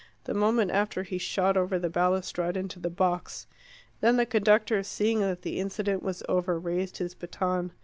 The moment after he shot over the balustrade into the box. Then the conductor, seeing that the incident was over, raised his baton.